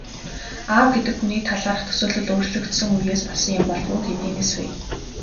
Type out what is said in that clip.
Аав гэдэг хүний талаарх төсөөлөл өөрчлөгдсөн үеэс болсон юм болов уу, хэдийнээс вэ?